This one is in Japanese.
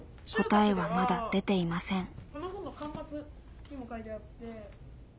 答えはまだ出ていません。